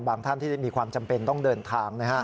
ท่านที่ได้มีความจำเป็นต้องเดินทาง